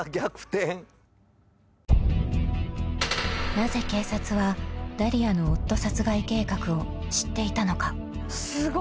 ［なぜ警察はダリアの夫殺害計画を知っていたのか？］